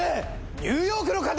ニューヨークの敵！